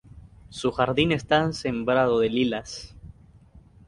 Su jardín está sembrado de lilas.